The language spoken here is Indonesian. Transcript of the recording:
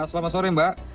selamat sore mbak